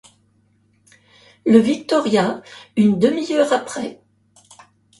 Le Victoria, une demi-heure après